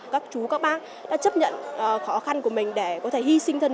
các chú các bác đã chấp nhận khó khăn của mình để có thể hy sinh thân